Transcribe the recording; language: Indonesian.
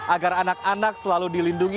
agar anak anak selalu dilindungi